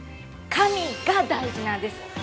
紙が大事なんです。